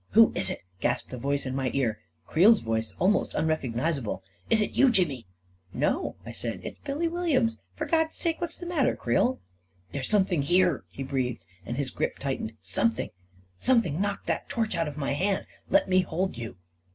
" Who is it? " gasped a voice in my ear — Creel's voice, almost unrecognizable. " Is it you, Jimmy? "" No," I said; " it's Billy Williams. For God's sake, what's the matter, Creel? "" There's something here !" he breathed, and his grip tightened. " Something — something knocked that torch out of my hand. Let me hold you."